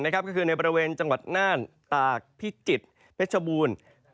ก็คือในบริเวณจังหวัดน่านตากพิจิตรเพชรบูรณ์